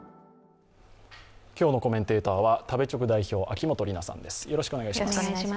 今日のコメンテーターは食べチョク代表、秋元里奈さんです